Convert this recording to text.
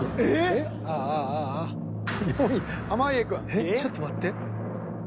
えっちょっと待って。